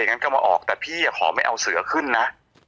งั้นก็มาออกแต่พี่ขอไม่เอาเสือขึ้นนะ